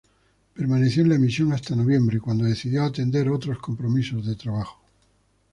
Permaneció en la emisión hasta noviembre, cuando decidió atender otros compromisos de trabajo.